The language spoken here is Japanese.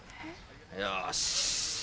よし。